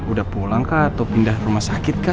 udah pulang kah atau pindah rumah sakit kah